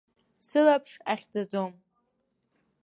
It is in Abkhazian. Сылаԥш ахьӡаӡом.